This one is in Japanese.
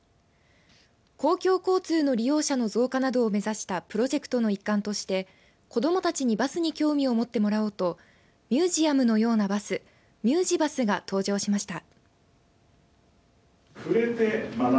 公共交通の利用者の増加などを目指したプロジェクトの一環として子どもたちにバスに興味を持ってもらおうとミュージアムのようなバスミュージバスが登場しました。